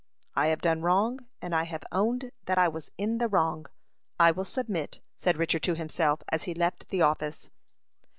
"I have done wrong, and I have owned that I was in the wrong. I will submit," said Richard to himself, as he left the office.